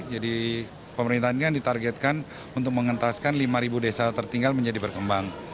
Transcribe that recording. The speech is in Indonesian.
jadi pemerintah ini yang ditargetkan untuk mengentaskan lima ribu desa tertinggal menjadi berkembang